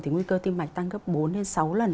thì nguy cơ tim mạch tăng gấp bốn đến sáu lần